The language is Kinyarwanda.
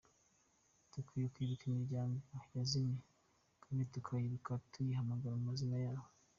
Dukwiye kwibuka imiryango yazimye kandi tukayibuka tuyihamagara mu mazina yabo.